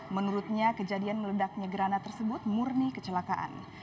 menurutnya kejadian meledaknya granat tersebut murni kecelakaan